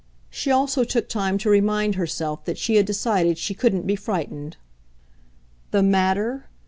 she also took time to remind herself that she had decided she couldn't be frightened. The "matter"?